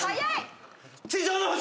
『地上の星』